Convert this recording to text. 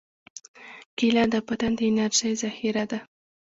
کېله د بدن د انرژۍ ذخیره ده.